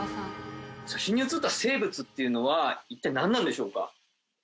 写真に写った生物っていうのは一体なんなんでしょうか？